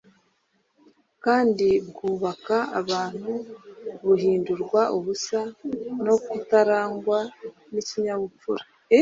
kandi bwubaka abantu buhindurwa ubusa no kutarangwa n’ikinyabupfura.